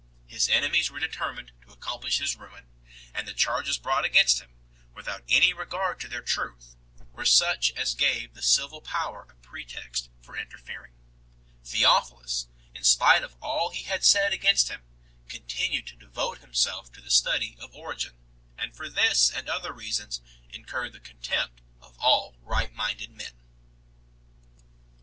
His enemies were determined to accomplish his ruin, and the charges brought against him, without any regard to their truth, were such as gave the civil power a pretext for interfering. Theophilus, in spite of all he had said against him, continued to devote himself to the study of Origen, and for this and other reasons incurred the con tempt of all right minded men 6